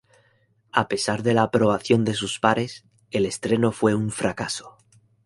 A pesar de la aprobación de sus pares, el estreno fue un fracaso.